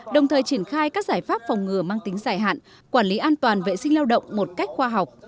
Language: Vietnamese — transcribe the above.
đồng thời triển khai các giải pháp phòng ngừa mang tính dài hạn quản lý an toàn vệ sinh lao động một cách khoa học